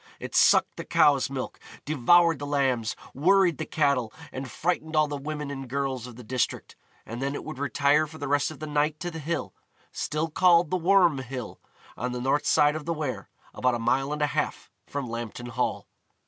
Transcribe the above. It sucked the cows' milk, devoured the lambs, worried the cattle, and frightened all the women and girls of the district, and then it would retire for the rest of the night to the hill, still called the Worm Hill, on the north side of the Wear, about a mile and a half from Lambton Hall.